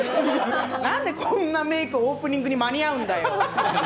なんでこんなメークオープニングに間に合うんだよ。